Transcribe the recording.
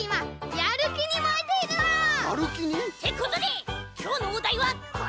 やるきに？ってことできょうのおだいはこれ！